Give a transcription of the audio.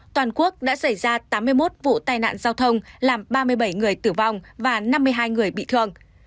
toàn quốc đã xảy ra tám mươi một vụ tai nạn giao thông làm ba mươi bảy người tử vong và năm mươi hai người bị thương